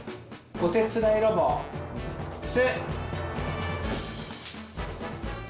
おてつだいロボ「せ」。